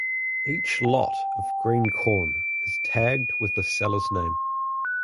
Each lot of green corn is tagged with the seller's name.